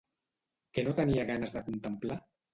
Què no tenia ganes de contemplar?